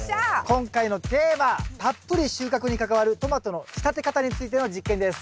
今回のテーマ「たっぷり収穫」に関わるトマトの仕立て方についての実験です。